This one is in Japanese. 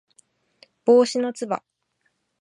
帽子のつば